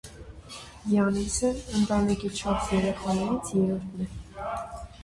Յանիսը ընտանիքի չորս երեխաներից երրորդն է։